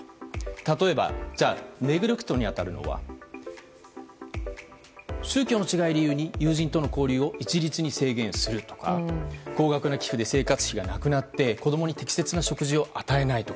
例えば、ネグレクトに当たるのは宗教の違いを理由に友人との交流を一律に制限するとか高額な寄付で生活費がなくなって子供に適切な食事を与えないとか。